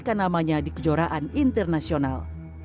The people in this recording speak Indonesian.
yang namanya di kejuaraan internasional